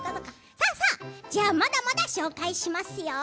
まだまだ紹介しますよ。